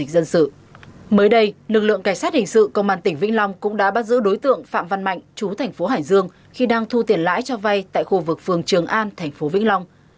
mới đây lực lượng cảnh sát hình sự công an tỉnh vĩnh long cũng đã bắt giữ đối tượng phạm văn mạnh chú thành phố hải dương khi đang thu tiền lãi cho vay tại khu vực phường trường an thành phố vĩnh long